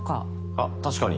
あっ確かに。